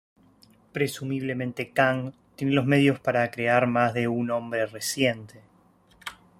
Presumiblemente "Kang" tiene los medios para crear más de un "Hombre creciente".